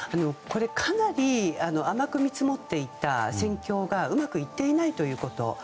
かなり甘く見積もっていた戦況がうまくいっていないということ。